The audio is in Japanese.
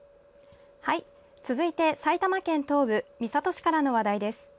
続いて、埼玉県東部三郷市からの話題です。